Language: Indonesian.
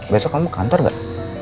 besok kamu kantor gak